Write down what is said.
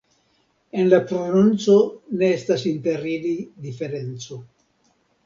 En la prononco ne estas inter ili diferenco.